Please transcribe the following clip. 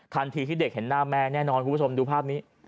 ที่เด็กเห็นหน้าแม่แน่นอนคุณผู้ชมดูภาพนี้